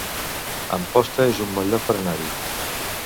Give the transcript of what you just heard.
Amposta es un bon lloc per anar-hi